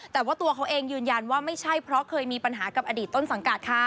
แต่ว่าตัวเขาเองยืนยันว่าไม่ใช่เพราะเคยมีปัญหากับอดีตต้นสังกัดค่ะ